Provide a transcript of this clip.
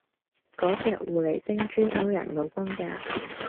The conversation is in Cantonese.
個隻狐狸精專勾人老公架